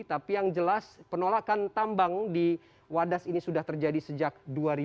tapi yang jelas penolakan tambang di wadas ini sudah terjadi sejak dua ribu